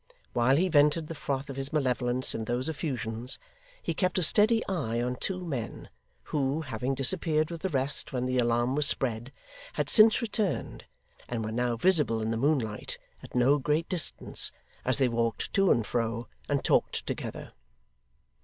While he vented the froth of his malevolence in those effusions, he kept a steady eye on two men, who, having disappeared with the rest when the alarm was spread, had since returned, and were now visible in the moonlight, at no great distance, as they walked to and fro, and talked together.